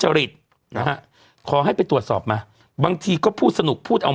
จริตนะฮะขอให้ไปตรวจสอบมาบางทีก็พูดสนุกพูดเอา